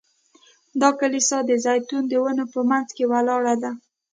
دا کلیسا د زیتونو د ونو په منځ کې ولاړه ده.